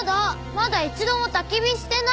まだ一度もたき火してない！